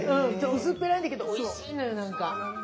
薄っぺらいんだけどおいしいのよなんか。